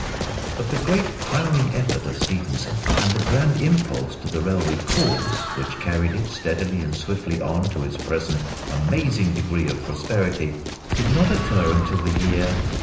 But the great crowning effort of Stephenson, and the grand impulse to the railway cause, which carried it steadily and swiftly on to its present amazing degree of prosperity, did not occur till the year 1829.